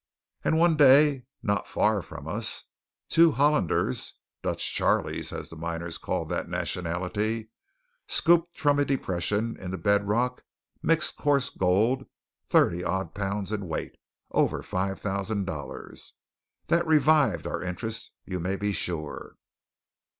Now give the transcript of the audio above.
And one day, not far from us, two Hollanders "Dutch Charleys," as the miners called that nationality scooped from a depression in the bedrock mixed coarse gold thirty odd pounds in weight over $5,000! That revived our interest, you may be sure.